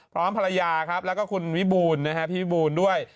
พร้อมภรรยาครับแล้วก็คุณวิบูลนะฮะพี่บูลด้วย